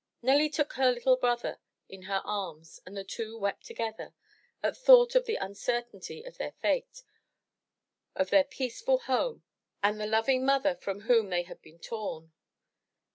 Nelly took her little brother in her arms and the two wept together at thought of the imcertainty of their fate, of their peaceful home, and the loving mother from whom they had been torn.